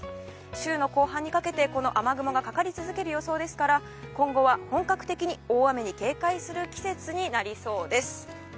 週の後半にかけて、この雨雲がかかり続ける予想ですから今後は本格的に大雨に警戒する季節になりそうです。